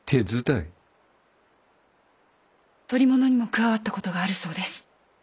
捕り物にも加わった事があるそうです。